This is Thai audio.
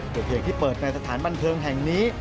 เหตุที่เปิดในสถานบันเทิงแห่งนี้